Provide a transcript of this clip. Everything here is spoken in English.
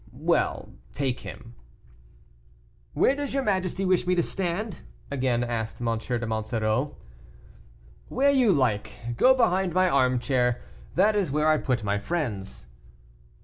"Well, take him." "Where does your majesty wish me to stand?" again asked M. de Monsoreau. "Where you like; go behind my armchair, that is where I put my friends."